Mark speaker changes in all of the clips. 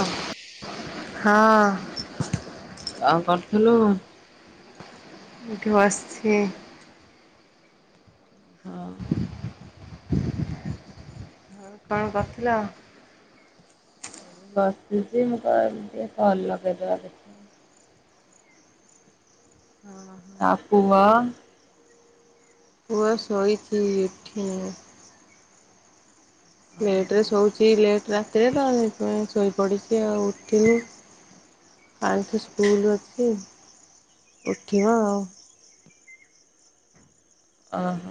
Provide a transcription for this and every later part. Speaker 1: ହଁ।
Speaker 2: ହଁ।
Speaker 1: ଆଉ କରଥିଲୁ?
Speaker 2: ଏଠ ବସଛି।
Speaker 1: ହଁ।
Speaker 2: ଆଉ କଣ କରିଥିଲ?
Speaker 1: ବସିଛି ମୁଁ କହିଲି ଟିକେ କଲ୍ ଲଗେଇଦବା କିଛି
Speaker 2: ହଁ।
Speaker 1: ଆ, ପୁଅ
Speaker 2: ପୁଅ ଶୋଇଛି ଉଠିନି। ଲେଟ୍
Speaker 1: ଓହୋ।
Speaker 2: ରେ ଶୋଉଛି ଲେଟ୍ ରାତିରେ ତ ସେଇଥିପାଇଁ ଶୋଇପଡ଼ିଛି ଆଉ ଉଠିନି। କାଲ ଠୁ ସ୍କୁଲ୍ ଅଛି ଉଠିବ।
Speaker 1: ଓହୋ!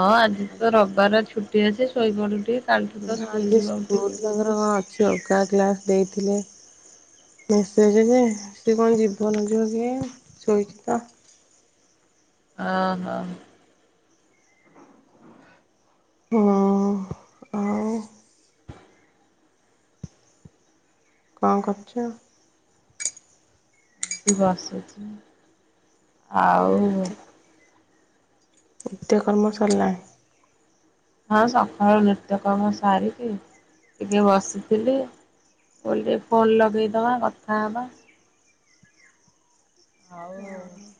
Speaker 1: ହଁ ଆଜି ତ ରବବାର ଛୁଟି ଅଛି ଶୋଇପଡୁ ଟିକେ। କାଲଠୁ ତ ସ୍କୁଲ୍
Speaker 2: ଆଜି
Speaker 1: ଯିବ
Speaker 2: ସ୍କୁଲ
Speaker 1: ଉଠିକି।
Speaker 2: ତାଙ୍କର କଣ ଅଛି ଅଲଗା କ୍ଲାସ୍ ଦେଇଥିଲେ। ମେସେଜ୍ ଯେ ସିଏ କଣ ଯିବ ନ ଯିବ କେ ଶୋଇଛି ତ।
Speaker 1: ଓ ହୋ।
Speaker 2: ହଁ ଆଉ। କଣ କରୁଛ?
Speaker 1: ବସିଛି, ଆଉ
Speaker 2: ନିତ୍ୟ କର୍ମ ସରଲାଣି?
Speaker 1: ହଁ ସଖାଳୁ ନିତ୍ୟକର୍ମ ସାରିକି ଟିକେ ବସିଥିଲି। କଲି ଫୋନ୍ ଲଗେଇଦବା କଥା ହବା। ହଁ।
Speaker 2: ଓ ହଁ।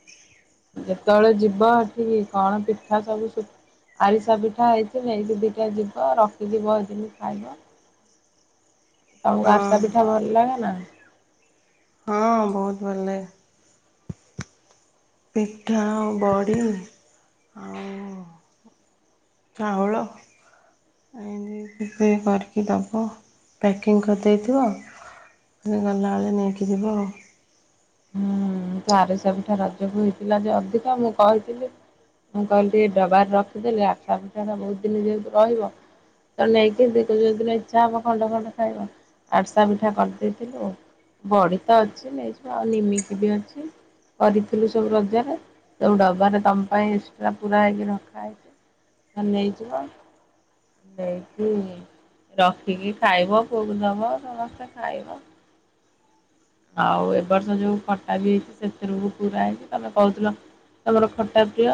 Speaker 1: ଯେତେବେଳେ ଯିବ ଏଠିକି କଣ ପିଠା ସବୁ ସୁ ଆରିସା ପିଠା ହେଇଛି ନେଇକି ଦିଟା ଯିବ ରଖିକି ବହୁ ଦିନି ଖାଇବ। ତୋମକୁ
Speaker 2: ହଁ
Speaker 1: ଆରସା ପିଠା ଭଲ ଲାଗେ ନା?
Speaker 2: ହଁ ବହୁତ ଭଲ ଲାଗେ। ପିଠା ଆଉ ବଡି ଚାଉଳ ଆଇଲେ ନେଇ କରିକି ଦେବ ପ୍ୟାକିଂ କରିଦେଇଥିବ। ଗଲାବେଳେ ନେଇକି ଯିବ।
Speaker 1: ହୁଁ ଆରିସା ପିଠା ରଜକୁ ହେଇଥିଲା ଯେ ଅଧିକା ମୁଁ କହିଥିଲି। ମୁଁ କହିଲି ଡବାର ରଖିଦେଲି ଆରିସା ପିଠା ଟା ବହୁତ ଦିନ ଯେହେତୁ ରହିବ। ତ ନେଇକି ଯୋଉ ଦିନ ଇଚ୍ଛା ହବ ଖଣ୍ଡ ଖଣ୍ଡ ଖାଇବ ଆରିସା ପିଠା କରିଦେଇଥିଲୁ। ବଡି ତ ଅଛି ନେଇଯିବ ଆଉ ନିମିକି ବି ଅଛି କରିଥିଲୁ ସବୁ ରଜରେ। ସବୁ ଡବାରେ ତମ ପାଇଁ ଏକ୍ସଟ୍ରା ପୁରା ହେଇକି ରଖା ହେଇଛି ନେଇଯିବ। ନେଇକି ରଖିକି ଖାଇବ ପୁଅକୁ ଦବ ସମସ୍ତେ ଖାଇବ। ଆଉ ଏ ବର୍ଷ ଯୋଉ ଖଟା ବି ହେଇଛି ସେଥିରୁ ବି ପୁରା ହେଇଛି ତମେ କହୁଥିଲ। ତମର ଖଟା ପ୍ରିୟ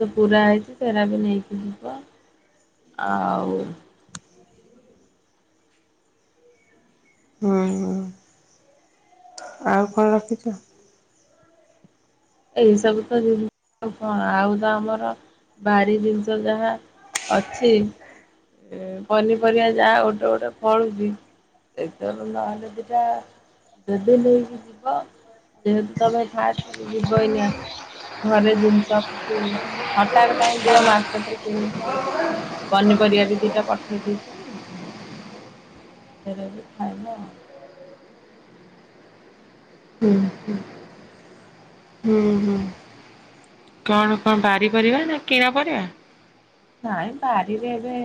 Speaker 1: ସେ ପୁରା ହେଇଛି ସେରା ବି ନେଇକି ଯିବ। ଆଉ।
Speaker 2: ହୁଁ। ଆଉ କଣ ରଖିଛ?
Speaker 1: ଏଇ ସବୁ ତ ଜିନିଷ କଣ ଆଉ ତ ଆମର ବାରି ଜିନିଷ ଯାହା। ଅଛି ଏ ପନିପରିବା ଯାହା ଗୋଟେ ଗୋଟେ ଫଳୁଜି। ସେଦରୁ ନହଲେ ଦିଟା ଯଦି ନେଇକି ଯିବ ଯେହେତୁ ତମେ ଫାଷ୍ଟ କି ଯିବ ଏଇନା। ଘରେ ଜିନିଷ [unintelligible] ହଠାତ୍ କାହିଁକି ଯିବ ମାର୍କେଟରେ କିଣିକି ଖାଇବ। ପନିପରିବା ବି ଦିଟା ପଠେଇ ଦେଇଛି। ସେରା ବି ଖାଇବ ଆଉ।
Speaker 2: [inaudible] ହୁଁ ହୁଁ। କଣ କଣ ବାରି ପରିବା ନା କିଣା ପରିବା?
Speaker 1: ନାଇ ବାଡ଼ିରେ ଏବେ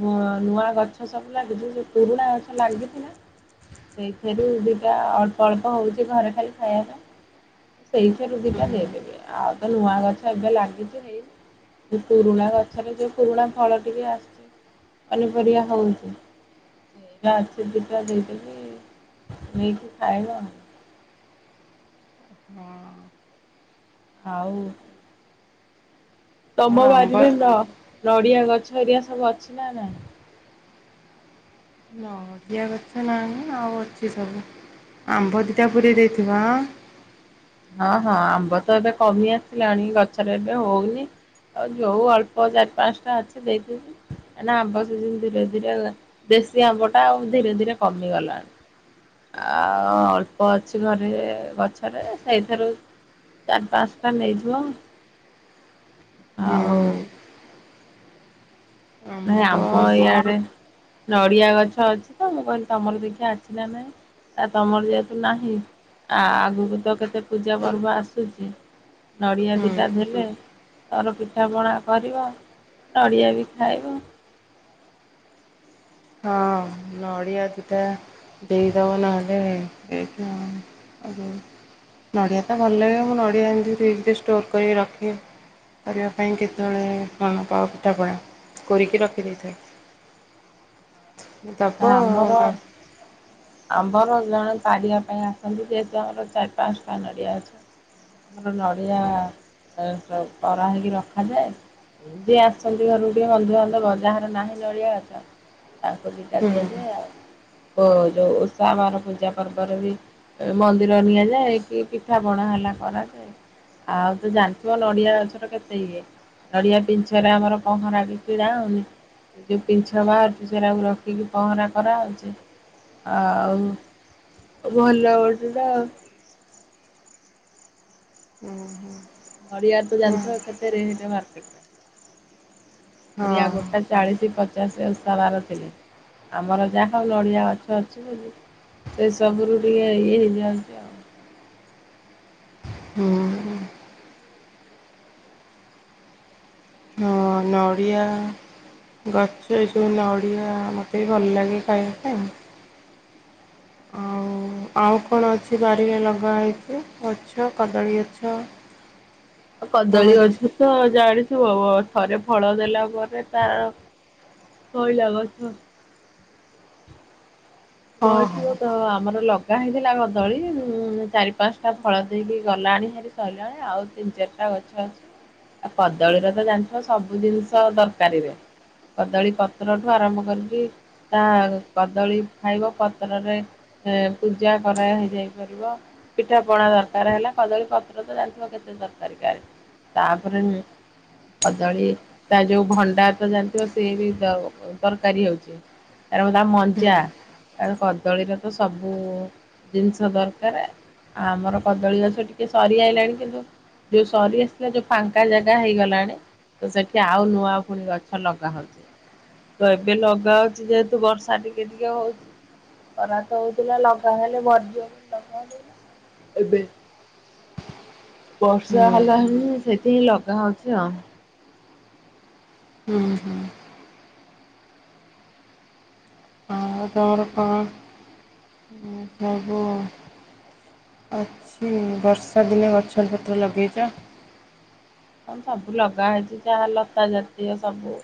Speaker 1: ବ ନୂଆ ଗଛ ସବୁ ଲାଗିଛି ଯ ପୁରୁଣା ଗଛ ଲାଗିଥିଲା। ସେଇଥିରୁ ଦିଟା ଅଳ୍ପ ଅଳ୍ପ ହଉଛି ଘରେ ଖାଲି ଖାଇବା ପାଇଁ। ସେଇଥିରୁ
Speaker 2: ହୁଁ
Speaker 1: ଦିଟା ଦେଇଦେବି ଆଉ ତ ନୂଆ ଗଛ ଏବେ ଲାଗିଛି ହେଇନି। ଯଉ ପୁରୁଣା ଗ ଗଛରେ ଯଉ ପୁରୁଣା ଫଳ ଟିକେ ଆସିଛି ପନିପରିବା ହଉଛି। ସେଇଟା ଅଛି ଦୁଇଟା ଦେଇଦେବି ନେଇକି ଖାଇବ ଆଉ।
Speaker 2: ହଁ।
Speaker 1: ଆଉ। ତମ
Speaker 2: ଆଉ ଆମ୍ବ
Speaker 1: ବାରିରେ ନ ନଡିଆ ଗଛ ହେରିଆ ସବୁ ଅଛି ନା ନାଇଁ?
Speaker 2: ନଠିଆ ଗଛ ନାହିଁ ଆଉ ଅଛି ସବୁ ଆମ୍ବ ଦିଟା ପୁରେଇ ଦେଇଥିବ ଆଁ।
Speaker 1: ହଁ ହଁ ଆମ୍ବ ତ ଏବେ କମି ଆସିଲାଣି ଗଛରେ ଏବେ ହଉନି। ଆଉ ଯୋଉ ଅଳ୍ପ ଚାରି ପାଞ୍ଚଟା ଅଛି ଦେଇଦେବି ଏଇନେ ଆମ୍ବ ସିଜିନ୍ ଧୀରେ ଧୀରେ ଦେଶୀ ଆମ୍ବ ଟା ଆଉ ଧୀରେ ଧୀରେ କମିଗଲା। ଆଉ ଅଳ୍ପ ଅଛି ଘରେ ଗଛରେ ସେଇଥେରୁ ଚାରି ପାଞ୍ଚଟା ନେଇଯିବ ଆଉ।
Speaker 2: ହୁଁ
Speaker 1: ନାଇଁ
Speaker 2: ଆମ୍ବ
Speaker 1: ଆମ ଇଆଡେ ନଡିଆ ଗଛ ଅଛି ତ ମୁଁ କହିଲି ତମର ଦେଖିଆ ଅଛି ନା ନାଇଁ। ଆ ତମର ଯେହେତୁ ନାହିଁ ଆ ଆଗକୁ ତ କେତେ ପୂଜା ପର୍ବ ଆସୁଛି। ନଡ଼ିଆ ଦିଟା
Speaker 2: ହୁଁ।
Speaker 1: ଦେଲେ ତର ପିଠା ପଣା କରିବ ନଡ଼ିଆ ବି ଖାଇବ।
Speaker 2: ହଁ ନଡ଼ିଆ ଦିଟା ଦେଇଦବ ନହେଲେ ଏଇଠି ନଡ଼ିଆ ତ ଭଲ ଲାଗେ ମୁଁ ନଡ଼ିଆ ଏମିତି ଫ୍ରିଜରେ ଷ୍ଟୋର୍ କରିକି ରଖେ। କରିବା ପାଇଁ କେତେବେଳେ କଣ ପାଉ ପିଠାପଣା କୋରିକି ରଖିଦେଇଥାଏ। ଦବ ନ
Speaker 1: ଆମର ଜଣେ ପାରିବା ପାଇଁ ଆସନ୍ତି ଯେହେତୁ ଆମର ଚାରି ପାଞ୍ଚଟା ନଡିଆ ଅଛି। ଆମର ନଡ଼ିଆ ପରା ହେଇକି ରଖାଯାଏ। ଏ ଯ ଆସନ୍ତି ଘରକୁ ଟିକେ ବନ୍ଧୁବାନ୍ଧବ ଯାହାର ନାହିଁ ଜଳିଆ ଗଛ ତାଙ୍କୁ ଦିଟା
Speaker 2: ହୁଁ ହୁଁ ହୁଁ
Speaker 1: ଦିଆଯାଏ ଆଉ ଯୋଉ ଉଷା ବାର ପୂଜା ପର୍ବରେ ବି ମନ୍ଦିର ନିଆଯାଏ କି ପିଠା ପଣା ହେଲେ କରାଯାଏ। ଆଉ ତ ଜାଣିଥିବ ନଡିଆ ଗଛର କେତେ ଇଏ? ନଡିଆ ପିଛୁଆରେ ଆମର ପହଁରାଗି କିଣା ହଉନି? ସେ ଯୋଉ ପିଞ୍ଚ ବାହାରୁଚି ସେଟାକୁ ରଖିକି ପହଁରା କରାହେଉଚି। ଆଉ ଭଲ ଗଟଟା।
Speaker 2: ହୁଁ ହୁଁ।
Speaker 1: ନଡ଼ିଆ ତ ଜାଣିଥିବ କେତେ ରେଟ ମାର୍କେଟ ରେ? ଓଡିଆ ଗୋଟେ ଚାଳିଶ ପଚାଶ ଓଷା ବାର ଥିଲେ ଆମର ଯାହା ହଉ ନଡିଆ ଗଛ ଅଛି ବୋଲି ସେ ସବୁରୁ ଟିକେ ଇଏ ହେଇଯାଆନ୍ତି ଆଉ।
Speaker 2: ହୁଁ। ହଁ ନଡ଼ିଆ ଗଛ ଏସବୁ ନଡ଼ିଆ ମୋତେ ବି ଭଲ ଲାଗେ ଖାଇବା ପାଇଁ। ଆଉ ଆଉ କଣ ଅଛି ବାରିରେ ଲଗା ହେଇଚି? ଗଛ କଦଳୀ ଗଛ।
Speaker 1: କଦଳୀ ଗଛ ତ ଜାଣିଥିବ ଥରେ ଫଳ ଦେଲା ପରେ ତାର କଣ ଲାଗଛ
Speaker 2: ହଁ ହଁ
Speaker 1: ବଥିବ ତ ଆମର ଲଗ ଗା ହେଇଥିଲା କଦଳୀ ଚାରି ପାଞ୍ଚଟା ଫଳ ଦେଇକି ଗଲାଣି ହାରି ସରିଲାଣି ଆଉ ତିନି ଚାରିଟା ଗଛ ଅଛି ଆଉ କଦଳୀର ତ ଜାଣିଥିବ ସବୁ ଜିନିଷ ତରକାରୀରେ। କଦଳୀ ପତ୍ରଠୁ ଆରମ୍ଭ କରିକି ତା କଦଳୀ ଖାଇବ ପତ୍ରରେ ପୂଜା କରା ହେଇଯାଇପାରିବ। ପିଠା ପଣା ଦରକାର ହେଲା। କଦଳୀ ପତ୍ର ତ ଜାଣିଥିବ କେତେ ଦରକାରୀ କାହାର ତାପରେ କଦଳୀ ତା ଯୋଉ ଭଣ୍ଡା ତ ଜାଣିଥିବ ସିଏ ବି ତ ତରକାରୀ ହଉଚି। ତାର ଗୋଟା ମଞ୍ଜା। କଦଳୀର ତ ସବୁ ଜିନିଷ ଦରକାର। ଆ ଆମର କଦଳୀ ଗଛ ଟିକେ ସରିଆଲାଣି କିନ୍ତୁ ଯୋଉ ସରି ଆସିିଲା ଯୋଉ ଫାଙ୍କା ଜାଗା ହେଇଗଲାଣି। ତ ସେଠି ଆଉ ନୂଆ ପୁଣି ଗଛ ଲଗା ହଉଚି। ତ ଏବେ ଲଗା ହଉଚି ଯେହେତୁ ବର୍ଷା ଟିକେ ଟିକେ ହଉଚି। ଖରା ତ ହଉଥିଲା ଲଗା ହେଲେ ଭରିଯିବ ବୋଲି ଲଗାଉ ଏବେ ବର୍ଷା
Speaker 2: ହୁଁ
Speaker 1: ହେଲା ହେଣିି ସେଥିିଁ ଲଗା ହଉଚି ଆଉ।
Speaker 2: ହୁଁ ହୁଁ। ଆ ତମର କଣ ସବୁ ଅଛି। ବର୍ଷା ଦିନେ ଗଛ ପତ୍ର ଲଗେଇଚ।
Speaker 1: କଣ ସବୁ ଲଗା ହେଇଚି, ଯାହା ଲତା ଜାତୀୟ ସବୁ।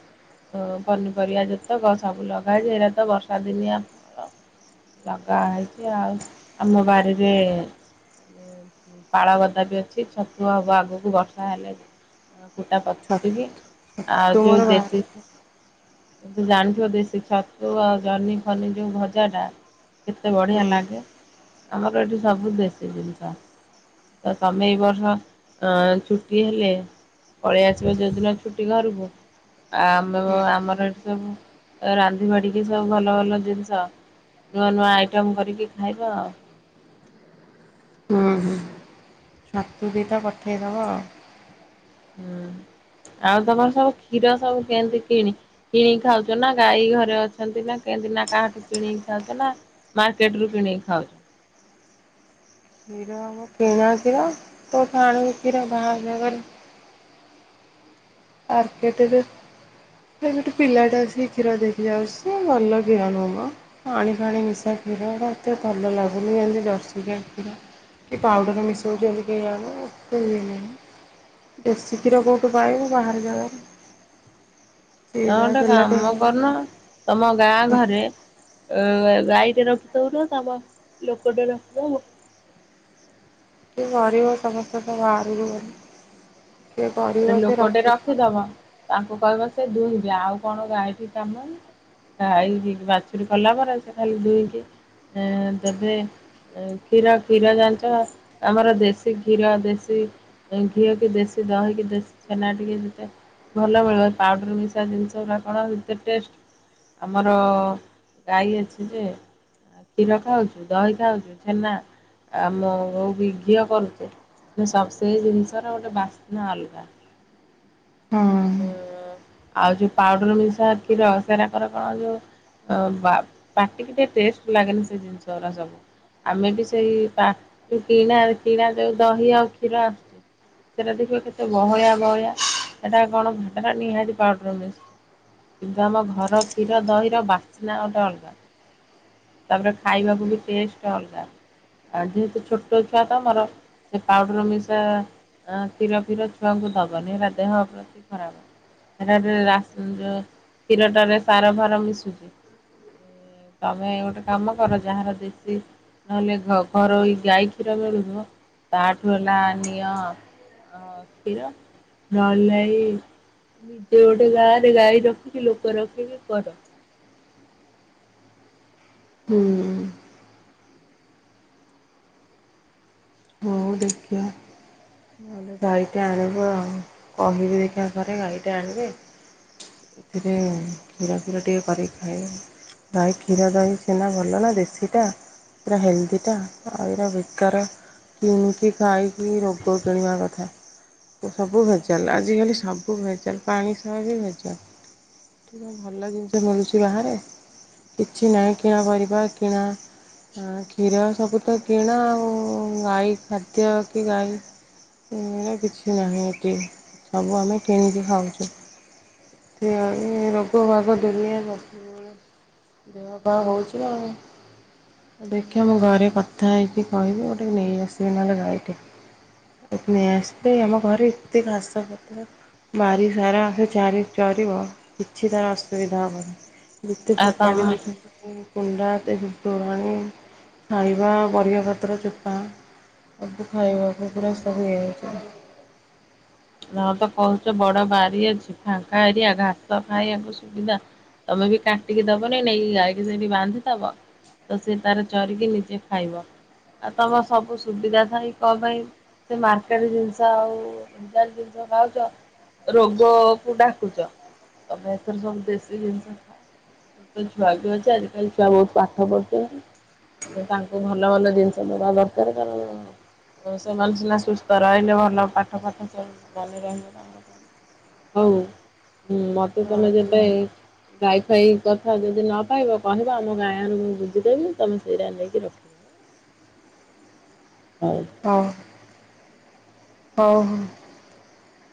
Speaker 1: ହଁ ପନିପରିବା ଜାତକ ସବୁ ଲଗାଯାଏ। ଏଇଟା ତ ବର୍ଷା ଦିନିଆ ଫଳ। ଲଗା ହେଇଚି ଆଉ ଆମ ବାରିରେ ଏ ଏ ପାଳ ଗଦା ବି ଅଛି ଛତୁ ହବ ଆଗକୁ ବର୍ଷା ହେଲେ କୁଟା
Speaker 2: ଛତୁ
Speaker 1: ପିଚିକି ଆଉ
Speaker 2: ତୁମର
Speaker 1: ଯୋଉ
Speaker 2: ବାହାର
Speaker 1: ଦେଶୀ
Speaker 2: ହୁଁ
Speaker 1: ତମେ ତ ଜାଣିଥିବ ଦେଶୀ ଛତୁ ଆଉ ଜହ୍ନି ଫନି ଯୋଉ ଭଜା ଟା କେତେ ବଢିଆ ଲାଗେ। ଆମର ଏଠି ସବୁ ଦେଶୀ ଜିନିଷ। ତ ତମେ ଏଇ ବର୍ଷ ଅ ଛୁଟି ହେଲେ ପଳେଇ ଆସିବ ଯୋଉଦିନ ଛୁଟି ଘରକୁ। ଆ ଆମ ଆମର ସବୁ ରାନ୍ଧି ବାଢିକି ସବୁ ଭଲ ଭଲ ଜିନିଷ ନୂଆ ନୂଆ ଆଇଟମ୍ କରିକି ଖାଇବା ଆଉ।
Speaker 2: ହୁଁ ହୁଁ ଛତୁ ଦିଇଟା ପଠେଇଦବ ଆଉ।
Speaker 1: ହୁଁ ଆଉ ତମର ସବୁ କ୍ଷୀର ସବୁ କେମିତି କିଣି କିଣିକି ଖାଉଚ ନା ଗାଈ ଘରେ ଅଛନ୍ତି ନା କେମତି ନା କାହାଠୁ କିଣିକି ଖାଉଚ ନା? ମାର୍କେଟ ରୁ କିଣିକି ଖାଉଚ?
Speaker 2: କ୍ଷୀର [unintelligible] କିଣା କ୍ଷୀର କୋଉଠୁ ଆଣିବୁ କ୍ଷୀର ବାହାର ଜାଗାରୁ। ମାର୍କେଟ ରୁ ସେ ଗୋଟେ ପିଲାଟେ ଅଛି କ୍ଷୀର ଦେଇକି ଯାଉଚି, ସେ ଭଲ କ୍ଷୀର ନୁହଁ ମ। ପାଣି ଫାଣି ମିଶା କ୍ଷୀର ଗୁରା ଏତେ ଭଲ ଲାଗୁନି, ଯେମ୍ତି ଜର୍ଶି ଗାଈ କ୍ଷୀର। କି ପାଉଡ଼ର ମିଶଉଚନ୍ତି କେଇଜାଣି ଏତେ ଇଏ ନାହିଁ। ଦେଶୀ କ୍ଷୀର କୋଉଠୁ ପାଇବୁ ବାହାର ଜାଗାରୁ। ସିଏ
Speaker 1: ତମେ
Speaker 2: ଯାହା
Speaker 1: ଗୋଟେ
Speaker 2: ଦେଲା ଟେ
Speaker 1: କାମ
Speaker 2: କିଏ
Speaker 1: କରୁନ, ତମ ଗାଁ ଘରେ ଅ ଏ ଗାଈଟେ ରଖି ଦଉନ, ତମ ଲୋକଟେ ରଖୁଦବ।
Speaker 2: କିଏ [unintelligible] ସମସ୍ତେ ତ ବାହାରକୁ ଗଲେ। କିଏ
Speaker 1: ଗୋଟେ
Speaker 2: କରିବ କିଏ
Speaker 1: ଲୋକଟେ
Speaker 2: ରଖିବ
Speaker 1: ରଖିଦବ ତାଙ୍କୁ କହିବ ସେ ଦୁଇଁବେ, ଆଉ କଣ ଗାଈଠି କାମକି। ଗାଈ କି ବାଛୁରୀ କଲା ପରେ ସେ ଖାଲି ଦୁଇଁକି ଏଁ ଦେବେ। ଏ କ୍ଷୀର-କ୍ଷୀର ଜାଣିଛ ଆମର ଦେଶୀ କ୍ଷୀର ଦେଶୀ ଘିଅ କି ଦେଶୀ ଦହି କି ଛେନା ଟିକେ ଯେତେ ଭଲ ମିଳିବ ପାଉଡର ମିଶା ଜିନିଷ ଗୁାଡା କଣ ଆଉ ଏତେ ଟେଷ୍ଟ। ଆମର ଗାଈ ଅଛି ଯେ କ୍ଷୀର ଖାଉଛୁ ଦହି ଖାଉଛୁ ଛେନା। ଆମ ଉ ବି ଘିଅ କରୁଚୁ ସେଇ ଜିନିଷର ଗୋଟେ ବାସ୍ନା ଅଲଗା।
Speaker 2: ହଁ।
Speaker 1: ଉଁ ଆଉ ଯୋଉ ପାଉଡର ମିଶା କ୍ଷୀର ସେରାକରେ କଣ ଯୋଉ ଅ ବା ପାଟିକି ଟିକେ ଟେଷ୍ଟ ଲାଗେନି ସେ ଜିନିଷ ଗୁରା ସବୁ। ଆମେ ବି ସେଇ ପା କିଣା-କିଣା ଯୋଉ ଦହି ଆଉ କ୍ଷୀର ସେରା ଦେଖିବା କେତେ ବହଳିଆ-ବହଳିଆ। ଏଟା କଣ ଭାତଟା ନିହାତି ପାଉଡର ମିଶୁଚି। କିନ୍ତୁ ଆମ ଘର କ୍ଷୀର ଦହିର ବାସ୍ନା ଗୋଟେ ଅଲଗା। ତାପରେ ଖାଇବାକୁ ବି ଟେଷ୍ଟ ଅଲଗା, ଆଁ ଯେହେତୁ ଛୋଟ ଛୁଆ ତମର ସେ ପାଉଡର ମିଶା କ୍ଷୀର ଫିର ଛୁଆଙ୍କୁ ଦବନି ହେରା ଦେହ ପ୍ରତି ଖରାପ୍। ହେରା ରେ ରାସ ଯୋଉ କ୍ଷୀର ଟାରେ ସାର ଫାର ମିଶୁଚି। ତମେ ଗୋଟେ କାମ କର ଯାହାର ଦେଶୀ ନହେଲେ ଘ ଘରୋଇ ଗାଈ କ୍ଷୀର ମିଳୁିଥିବ ତାଠୁ ହେଲା ନିଅ ଅ କ୍ଷୀର ନହେଲେ ନାଇଁ ନିଜେ ଗୋଟେ ଗାଁରେ ଗାଈ ରଖିକି ଲୋକ ରଖିକି କର।
Speaker 2: ହୁଁ। ହୁଁ। ହଉ ଦେଖିଆ। ତାଲେ ଗାଈଟେ ଆଣିବୁ ଆଉ, କହିବି ଦେଖିଆ ଘରେ ଗାଈଟେ ଆଣିବେ। ଏଥିରେ କ୍ଷୀର ଫିର ଟିକେ କରିକି ଖାଇବ। ଗାଈ କ୍ଷୀର ଦହି ଛେନା ଭଲ ନା ଦେଶୀଟା। ପୁରା ହେଲ୍ଦିଟା ଆଉ ଏରା ବେକାର କିଣିକି ଖାଇକି ରୋଗ କିଣିବା କ ସବୁ ଭେଜାଲ୍ ଆଜିକାଲି ସବୁ ଭେଜାଲ୍ ପାଣି ସହ ବି ଭେଜାଲ୍। ଭଲ ଜିନିଷ ମିଳୁଛି ବାହାରେ କିଛି ନାହିଁ କିଣା ପରିବା କିଣା ହଁ କ୍ଷୀର ସବୁ ତ କିଣା ଆଉ ଗାଈ ଖାଦ୍ୟ କି ଗାଈ ଏଇନା କିଛି ନାହିଁ ଏଠି, ସବୁ ଆମେ କିଣିକି ଖାଉଛୁ। ଇଆଡେ ରୋଗ ବାଗ ଦୁନିଆ କଥା। ଦେହ ପା ହଉଛି ଆଉ। ଦେଖିଆ ମୁଁ ଘରେ କଥା ହେଇକି କହିବି ଗୋଟେ ନେଇଆସିବି ନହେଲେ ଗାଈଟେ। [unintelligible] ନେଇ ଆସିଲେ ଆମ ଘରେ ଏତେ ଘାସ ପତ୍ର ବାରି ସାରା ଚାରି ଚରିବ କିଛି ତାର ଅସୁବିଧା ହବନି। ଯେତେ
Speaker 1: ଆଉ
Speaker 2: ଫୋପାଡି
Speaker 1: ତମ
Speaker 2: ଦଉଚୁ କୁଣ୍ଡା, ପେଜ ତୋରାଣି, ଖାଇବା, ପରିବାପତ୍ର ଚୋପା ସବୁ ଖାଇବାକୁ ପୁରା ସବୁ ଇଏ ହେଇଯିବ।
Speaker 1: [unintelligible] କହୁଚ ବଡ ବାରି ଅଛି ଫାଙ୍କା ଏରିଆ ଘାସ ଖାଇବାକୁ ସୁବିଧା। ତମେବି କାଟିକି ଦବନି ନେଇକି ଗାଇ କି ସେଇଠି ବାନ୍ଧିଥବ। ତ ସେ ତାର ଚରିକି ନିଜେ ଖାଇବ ଆଉ ତମ ସବୁ ସୁବିଧା ଥାଇ କପାଇଁ ସେ ମାର୍କେଟ୍ ଜିନିଷ ଆଉ ଡାଲି ଯଉ ଖାଉଚ ରୋଗକୁ ଡାକୁଚ। ତମେ ଏଥର ସବୁ ଦେଶୀ ଜିନିଷ ଖାଅ। ଛୋଟ ଛୁଆବି ଅଛି ଆଜିକାଲି ଛୁଆ ବହୁତ୍ ପାଠ ପଢୁଚନ୍ତି। ତ ତାଙ୍କୁ ଭଲ ଭଲ ଜିନିଷ ଦବା ଦରକାର୍ କାରଣ ଓ ସେମାନେ ସିନା ସୁସ୍ଥ ରହିଲେ ଭଲ ପାଠ ପାଠ ମନେ ରହିବ ସେମାନଙ୍କର। ହଉ ହୁଁ ମତେ
Speaker 2: ହଁ
Speaker 1: ତମେ ଯେବେ ଗାଈ ଫାଇ କଥା ଯଦି ନପାଇବ କହିବ ଆମ ଗାଁରୁ ମୁଁ ବୁଝିଦେବି ତମେ ସେଇରା ନେଇକି ରଖି ହଉ।
Speaker 2: ହଁ। ହଉ।